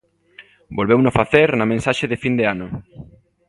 Volveuno facer na Mensaxe de Fin de Ano.